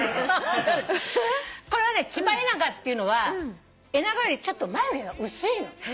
チバエナガっていうのはエナガよりちょっと眉毛が薄いの。